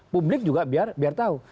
publik juga biar tahu